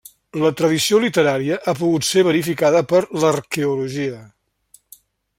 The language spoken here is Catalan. La tradició literària ha pogut ser verificada per l'arqueologia.